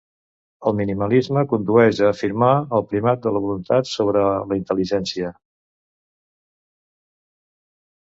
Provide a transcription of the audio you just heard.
El nominalisme condueix a afirmar el primat de la voluntat sobre la intel·ligència.